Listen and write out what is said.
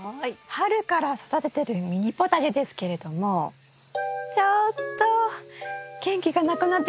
春から育ててるミニポタジェですけれどもちょっと元気がなくなってきました。